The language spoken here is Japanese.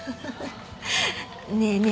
ねえねえ